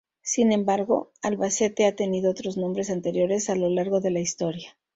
Sin embargo, Albacete ha tenido otros nombres anteriores a lo largo de la historia.